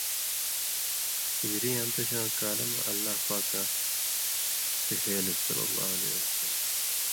ہجری یاں دشؤں کالہ مہ اللہ پاکاں ڇِہېلوۡ ﷺ